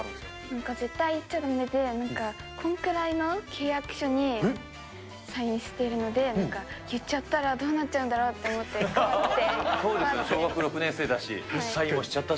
なんか絶対言っちゃだめで、こんくらいの契約書にサインしてるので、なんか言っちゃったら、どうなっちゃうんだろうと思って怖くて。